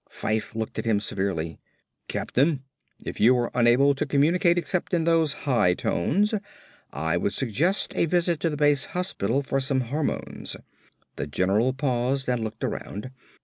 Fyfe looked at him severely. "Captain, if you are unable to communicate except in those high tones, I would suggest a visit to the base hospital for some hormones." The general paused and looked around.